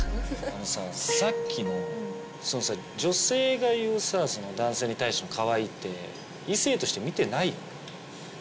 あのささっきのそのさ女性が言うさ男性に対してのかわいいって異性として見てないよね？